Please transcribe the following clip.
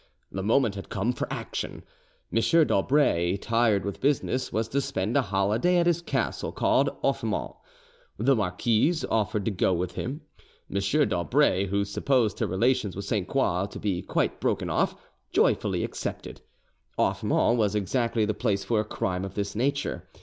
The moment had come for action. M. d'Aubray, tired with business, was to spend a holiday at his castle called Offemont. The marquise offered to go with him. M. d'Aubray, who supposed her relations with Sainte Croix to be quite broken off, joyfully accepted. Offemont was exactly the place for a crime of this nature.